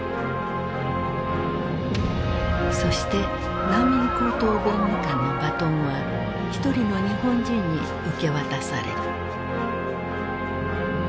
そして難民高等弁務官のバトンは一人の日本人に受け渡される。